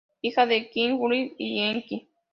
Hija de Ninhursag y Enki.